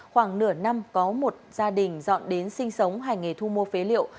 khoảng nửa năm có một gia đình dọn đến sinh sống hành nghề thu mua phế liệu